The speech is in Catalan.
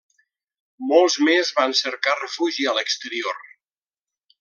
Molts més van cercar refugi a l'exterior.